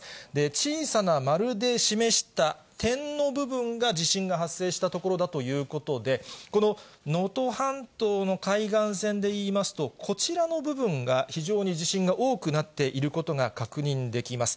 小さな丸で示した点の部分が地震が発生した所だということで、この能登半島の海岸線でいいますと、こちらの部分が非常に地震が多くなっていることが確認できます。